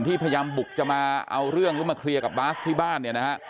ที่พยายามบุกจะมาเอาเรื่องหรือมาเคลียร์กับบาสที่บ้านเนี่ยนะฮะ